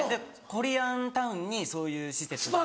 コリアンタウンにそういう施設があって。